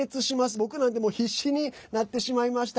僕なんてもう必死になってしまいました。